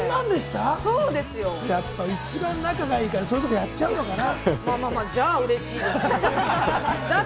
一番仲がいいから、そういうことやっちゃうのかな？